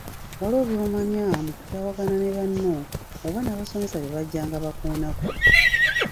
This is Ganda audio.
Waliwo by'omanya mu kutabagana ne banno oba n’abasomesa bye bajjanga bakoonako.